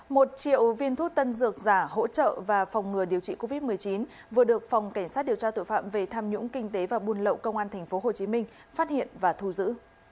một triệu viên thuốc tân dược giả hỗ trợ và phòng ngừa điều trị covid một mươi chín vừa được phòng cảnh sát điều tra tội phạm về tham nhũng kinh tế và buôn lậu công an tp hcm phát hiện và thu giữ